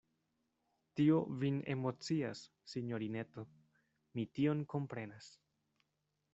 Tio vin emocias, sinjorineto: mi tion komprenas.